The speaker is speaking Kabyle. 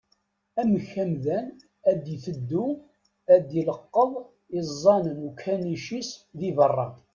Amek amdan ad iteddu ad ileqqeḍ iẓẓan n ukanic-is di beṛṛa?